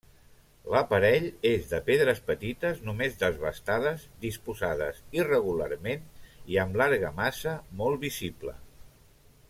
L'aparell és de pedres petites, només desbastades, disposades irregularment i amb l'argamassa molt visible.